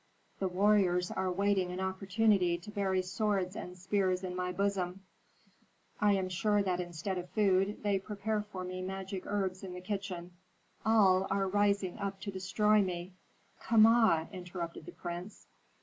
The warriors are waiting an opportunity to bury swords and spears in my bosom; I am sure that instead of food, they prepare for me magic herbs in the kitchen. All are rising up to destroy me " "Kama!" interrupted the prince.